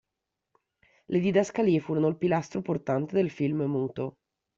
Le didascalie furono il pilastro portante del film muto.